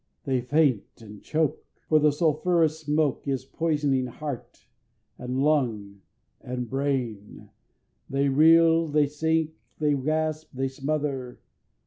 They faint they choke, For the sulphurous smoke Is poisoning heart, and lung, and brain, They reel, they sink, they gasp, they smother.